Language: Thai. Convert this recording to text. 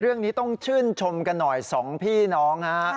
เรื่องนี้ต้องชื่นชมกันหน่อย๒พี่น้องฮะ